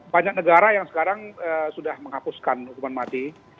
banyak negara yang sekarang sudah menghapuskan hukuman mati